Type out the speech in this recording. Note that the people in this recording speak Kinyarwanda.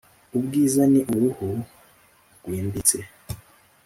ubwiza ni uruhu rwimbitse